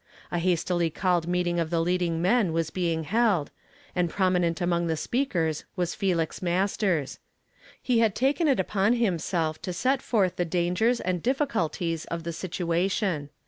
A hastily called meeting of the leading men was being held, and prominent among the speakers was Felix Masters. He had taken it upon himself to set forth the dangers and difficulties of the situation.